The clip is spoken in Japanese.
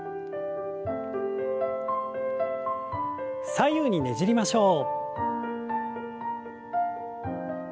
左右にねじりましょう。